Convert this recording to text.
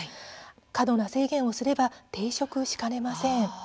過度な制限をすれば抵触しかねません。